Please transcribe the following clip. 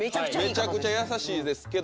めちゃくちゃ優しいですけどちょっと。